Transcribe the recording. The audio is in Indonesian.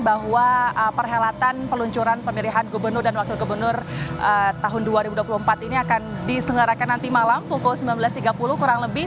bahwa perhelatan peluncuran pemilihan gubernur dan wakil gubernur tahun dua ribu dua puluh empat ini akan diselenggarakan nanti malam pukul sembilan belas tiga puluh kurang lebih